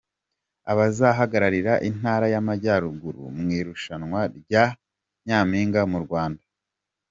Abazahagararira Intara y’Amajyaruguru mwirushanwa rya nyaminga Mu Rwanda bamenyekanye